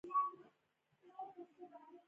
که خلک یو بل وبخښي، نو سوله به راشي.